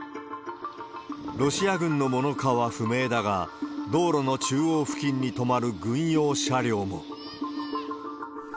ロシア軍のものかは不明だが、道路の中央付近に止まる軍用車両も。